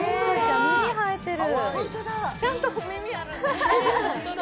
耳、生えてる。